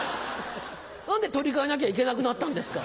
何で取り換えなきゃいけなくなったんですか。